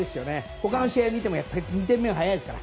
他の試合を見ても２点目は早いですから。